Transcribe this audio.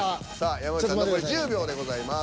山内さん残り１０秒でございます。